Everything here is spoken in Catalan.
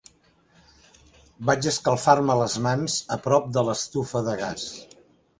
Vaig escalfar-me les mans a prop de l'estufa de gas.